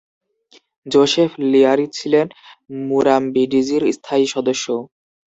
Joseph Leary ছিলেন মুরাম্বিডিজি'র স্থায়ী সদস্য।